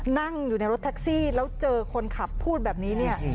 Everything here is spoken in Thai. นั่งอยู่ในรถแท็กซี่แล้วเจอคนขับพูดแบบนี้เนี่ย